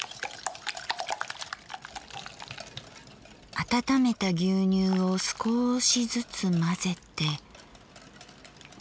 温めた牛乳を少しずつ混ぜて。